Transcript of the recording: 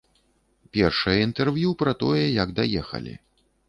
Першае інтэрв'ю пра тое, як даехалі.